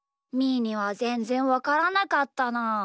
ーにはぜんぜんわからなかったな。